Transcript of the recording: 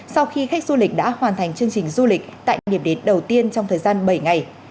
sau khi khách du lịch đã hoàn thành chương trình du lịch tại điểm đến đầu tiên trong thời gian bảy ngày